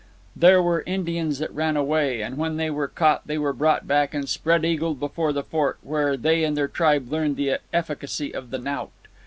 There were Indians that ran away, and when they were caught they were brought back and spread eagled before the fort, where they and their tribe learned the efficacy of the knout.